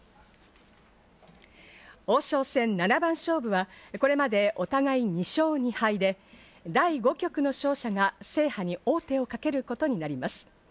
王将戦七番勝負はこれまでお互い２勝２敗で第５局の勝者が制覇に王手をかけることになります。